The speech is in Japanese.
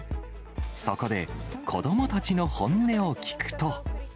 そこで子どもたちの本音を聞くと。